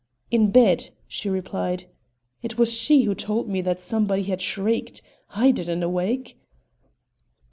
"In bed," she replied. "It was she who told me that somebody had shrieked. I didn't wake."